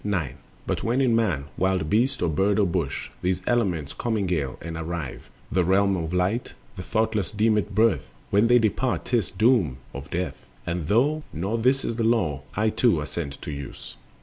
9. But when in man, wild beast, or bird, or bush, These elements commingle and arrive The realms of light, the thoughtless deem it "birth"; When they dispart, 'tis "doom of death;" and though Not this the Law, I too assent to use.